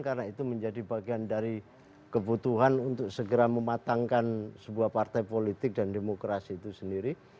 karena itu menjadi bagian dari kebutuhan untuk segera mematangkan sebuah partai politik dan demokrasi itu sendiri